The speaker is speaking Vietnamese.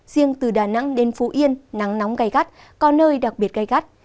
riêng từ đà nẵng đến phú yên nắng nóng gai gắt có nơi đặc biệt gây gắt